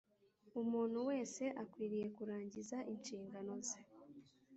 Umuntu wese akwiriye kurangiza inshingano ze